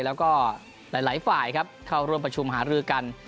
ต่อหลายฝ่ายเข้าร่วมประชุมหารือกัน